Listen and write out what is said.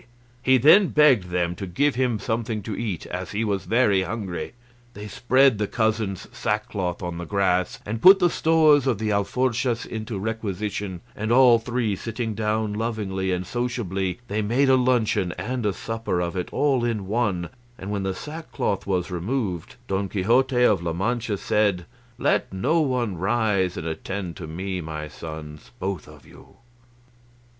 He then begged them to give him something to eat, as he was very hungry. They spread the cousin's sackcloth on the grass, and put the stores of the alforjas into requisition, and all three sitting down lovingly and sociably, they made a luncheon and a supper of it all in one; and when the sackcloth was removed, Don Quixote of La Mancha said, "Let no one rise, and attend to me, my sons, both of you."